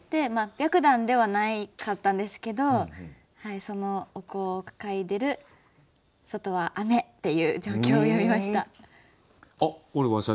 白檀ではなかったんですけどそのお香を嗅いでる外は雨っていう状況を詠みました。